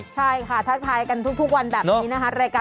ใช่ค่ะทักทายกันทุกวันแบบนี้นะคะ